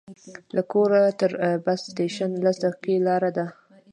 له کوره تر بس سټېشن لس دقیقې لاره ده.